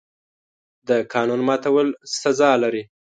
د قانون ماتول سزا لري.